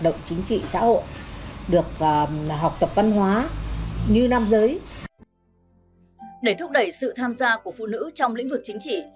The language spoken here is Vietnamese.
để thúc đẩy sự tham gia của phụ nữ trong lĩnh vực chính trị